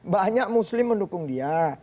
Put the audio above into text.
banyak muslim mendukung dia